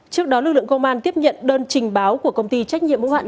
trước đó lực lượng công an tiếp nhận đơn trình báo của công ty trách nhiệm mô hạn